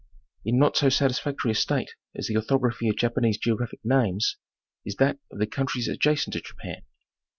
In not so satisfactory a state as the orthography of Japanese geographic names is that of the countries adjacent to Japan.